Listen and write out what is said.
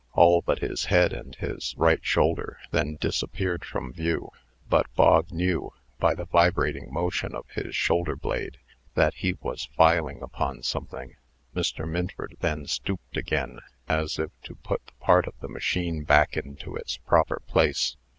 All but his head and his right shoulder then disappeared from view; but Bog knew, by the vibrating motion of his shoulder blade, that he was filing upon something. Mr. Minford then stooped again, as if to put the part of the machine back into its proper place.